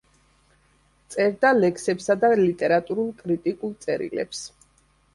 წერდა ლექსებსა და ლიტერატურულ-კრიტიკულ წერილებს.